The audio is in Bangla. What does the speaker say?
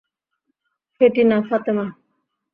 ফেটি না, ফাতেমা।